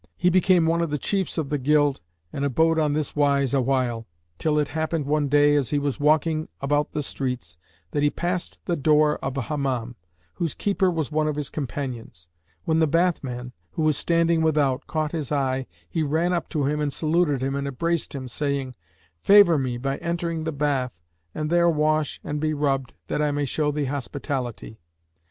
He became one of the chiefs of the guild and abode on this wise awhile, till it happened one day, as he was walking about the streets, that he passed the door of a Hammam, whose keeper was one of his companions. When the bathman, who was standing without, caught his eye he ran up to him and saluted him and embraced him, saying, "Favour me by entering the bath and there wash and be rubbed that I may show thee hospitality."